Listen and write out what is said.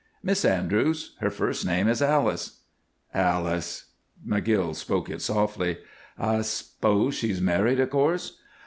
"Miss Andrews. Her first name is Alice." "Alice!" McGill spoke it softly. "I I s'pose she's married, of course?"